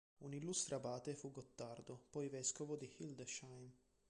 Un illustre abate fu Gottardo, poi vescovo di Hildesheim.